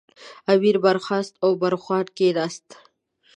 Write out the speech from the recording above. امیر برخاست او برخوان کېناست.